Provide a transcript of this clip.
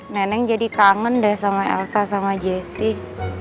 neneng jadi kangen deh sama elsa sama jessi